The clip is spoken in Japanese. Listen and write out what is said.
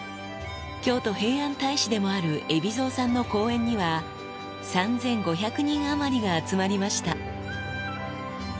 京都平安大使でもある海老蔵さんの公演には、３５００人余りが集まりました。